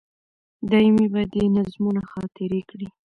دایمي به دي نظمونه خاطرې کړي